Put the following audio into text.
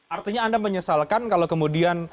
artinya anda menyesalkan kalau kemudian